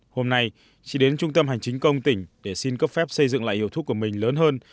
hôm nay chị đến trung tâm hành chính công tỉnh để xin cấp phép xây dựng lại hiệu thuốc của mình lớn hơn